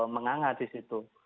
menganga di situ